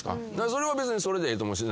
それは別にそれでええと思うし。